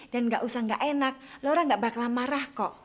dan ga usah ga enak laura ga bakalan marah kok